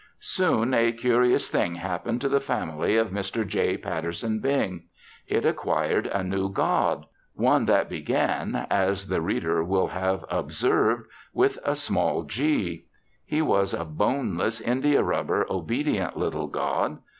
Soon a curious thing happened to the family of Mr. J. Patterson Bing. It acquired a new god one that began, as the reader will have observed, with a small "g." He was a boneless, India rubber, obedient little god.